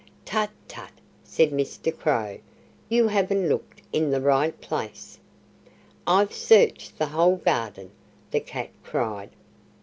"Tut, tut!" said Mr. Crow. "You haven't looked in the right place." "I've searched the whole garden!" the cat cried.